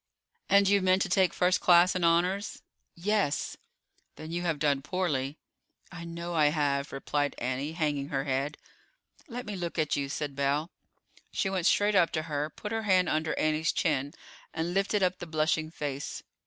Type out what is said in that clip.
"And you meant to take a first class in honors?" "Yes." "Then you have done poorly." "I know I have," replied Annie, hanging her head. "Let me look at you," said Belle. She went straight up to her, put her hand under Annie's chin, and lifted up the blushing face.